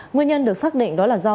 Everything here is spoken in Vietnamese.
nguyên nhân được xác định đó là do